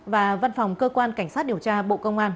và văn phòng cơ quan cảnh sát điều tra bộ công an